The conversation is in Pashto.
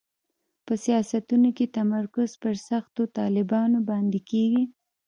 په سیاستونو کې تمرکز پر سختو طالبانو باندې کېږي.